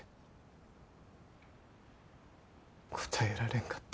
答えられんかった。